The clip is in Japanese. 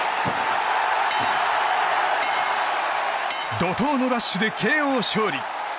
怒涛のラッシュでＫＯ勝利。